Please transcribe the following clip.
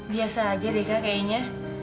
biasa aja deh kak kayaknya